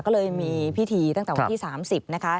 ก็เลยมีพิธีตั้งแต่วันที่๓๐นะคะ